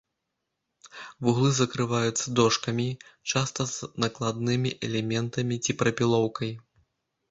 Вуглы закрываюцца дошкамі, часта з накладнымі элементамі ці прапілоўкай.